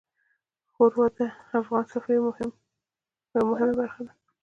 ښوروا د افغان سفرې یوه مهمه برخه ده.